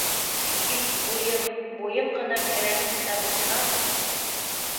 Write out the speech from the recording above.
Тик буйым... буйым ғына кәрәгенсә булһа!